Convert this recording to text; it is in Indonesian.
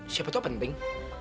siapa tuh penting